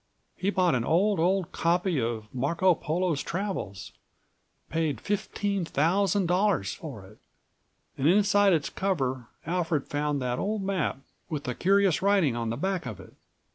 He bought an old, old copy of 'Marco Polo's Travels'; paid fifteen thousand dollars for it. And inside its cover Alfred found that old map with the curious writing on the back of it.